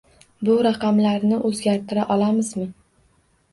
Bu raqamlarni o'zgartira olamizmi?